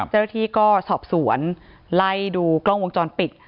เจ้าหน้าที่ก็สอบสวนไล่ดูกล้องวงจรปิด